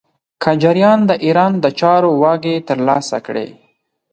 قاجاریان د ایران د چارو واګې تر لاسه کړې.